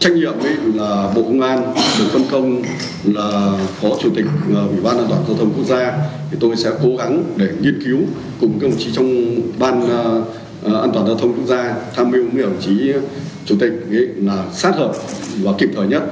trách nhiệm của bộ công an bộ công an là phó chủ tịch bộ an toàn giao thông quốc gia tôi sẽ cố gắng để nghiên cứu cùng công chí trong bộ an toàn giao thông quốc gia tham mưu công chí chủ tịch sát hợp và kịp thời nhất